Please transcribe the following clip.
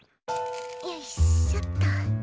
よいしょっと。